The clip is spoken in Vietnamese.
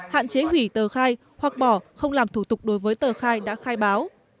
hạn chế hủy tờ khai hoặc bỏ không làm thủ tục đối với tờ khai đã khai báo